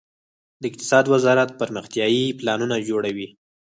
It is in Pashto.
د اقتصاد وزارت پرمختیايي پلانونه جوړوي